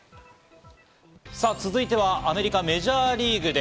続いてはアメリカ・メジャーリーグで